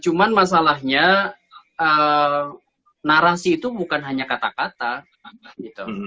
cuman masalahnya narasi itu bukan hanya kata kata gitu